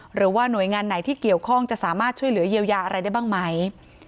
หรือว่าหน่วยงานไหนที่เกี่ยวข้องจะสามารถช่วยเหลือเยียวยาอะไรได้บ้างไหม